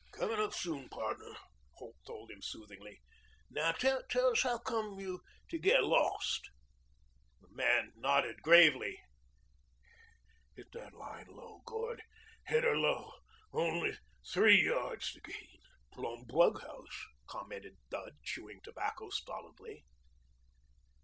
"Coming up soon, pardner," Holt told him soothingly. "Now tell us howcome you to get lost." The man nodded gravely. "Hit that line low, Gord. Hit 'er low. Only three yards to gain." "Plumb bughouse," commented Dud, chewing tobacco stolidly.